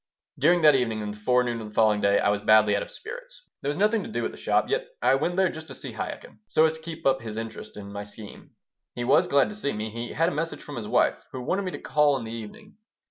During that evening and the forenoon of the following day I was badly out of spirits There was nothing to do at the shop, yet I went there just to see Chaikin, so as to keep up his interest in my scheme. He was glad to see me. He had a message from his wife, who wanted me to call in the evening.